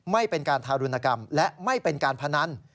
ไม่เป็นการทารุณกรรมและไม่เป็นการพนัน